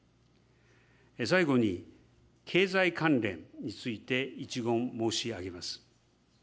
最後に、経済関連について一言申し上げます。